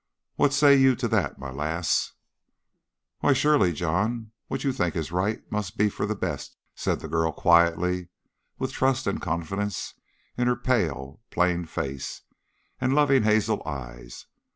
What say you to that, my lass?" "Why, surely, John, what you think is right must be for the best," said the girl quietly, with trust and confidence in her pale plain face and loving hazel eyes.